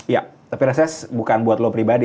ya tapi reses bukan buat lo pribadi